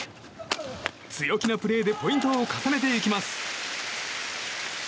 強気なプレーでポイントを重ねていきます。